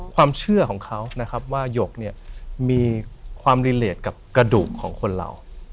ความเชื่อของเขานะครับว่าหยกเนี่ยมีความรีเลสกับกระดูกของคนเรา